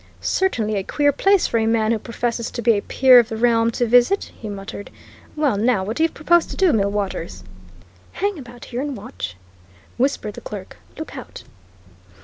"Certainly a queer place for a man who professes to be a peer of the realm to visit!" he muttered. "Well, now, what do you propose to do, Millwaters?" "Hang about here and watch," whispered the clerk. "Look out!"